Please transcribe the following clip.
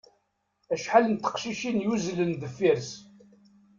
Acḥal n teqcicin yuzzlen deffir-s.